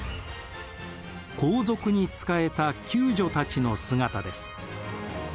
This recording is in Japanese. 皇族に仕えた宮女たちの姿です。